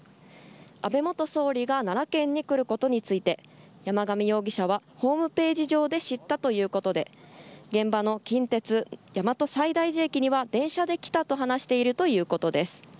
安倍元総理が奈良県に来ることについて山上容疑者はホームページ上で知ったということで現場の近鉄大和西大寺駅には電車で来たと話しているということです。